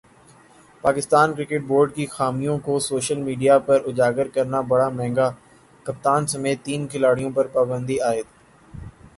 Pakistan cricket board کی خامیوں کو سوشل میڈیا پر اجاگر کرنا پڑا مہنگا ، کپتان سمیت تین کھلاڑیوں پر پابندی عائد